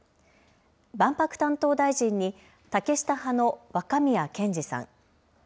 万博担当大臣に竹下派の若宮健嗣さん。